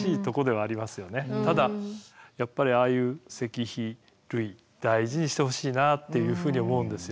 ただやっぱりああいう石碑類大事にしてほしいなっていうふうに思うんですよ。